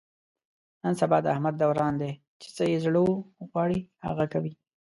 نن سبا د احمد دوران دی، چې څه یې زړه و غواړي هغه کوي.